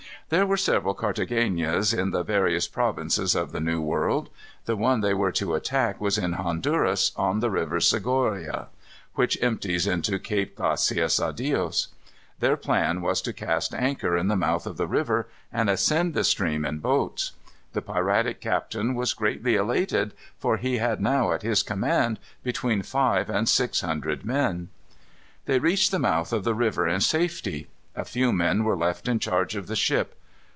There were several Carthagenas in the various provinces of the New World. The one they were to attack was in Honduras, on the river Segoria, which empties into Cape Gracios à Dios. Their plan was to cast anchor in the mouth of the river, and ascend the stream in boats. The piratic captain was greatly elated, for he had now at his command between five and six hundred men. They reached the mouth of the river in safety. A few men were left in charge of the ship.